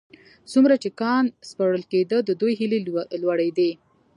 څومره چې کان سپړل کېده د دوی هيلې لوړېدې.